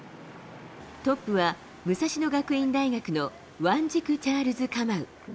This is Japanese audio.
トップは武蔵野学院大学のワンジク・チャールズカマウ。